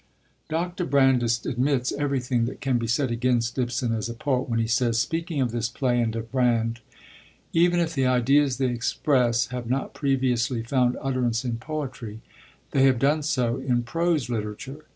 Dr. Brandes admits everything that can be said against Ibsen as a poet when he says, speaking of this play and of Brand: Even if the ideas they express have not previously found utterance in poetry, they have done so in prose literature.